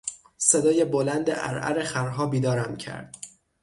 صدای بلند عرعر خرها بیدارم کرد.